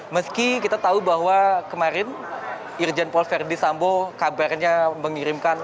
meski kita tahu bahwa kemarin irjen paul verdi sambo kabarnya mengirimkan